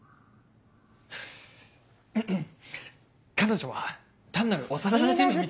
彼女は単なる幼なじみ。